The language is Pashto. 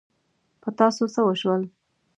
په تاسو څه وشول؟